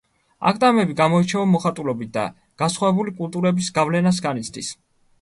აკლდამები გამოირჩევა მოხატულობით და განსხვავებული კულტურების გავლენას განიცდის.